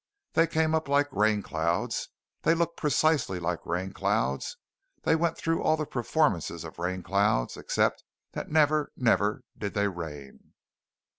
They came up like rain clouds, they looked precisely like rain clouds, they went through all the performances of rain clouds except that never, never did they rain!